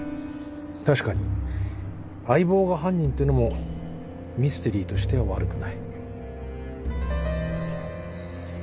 確かに相棒が犯人ってのもミステリーとしては悪くない。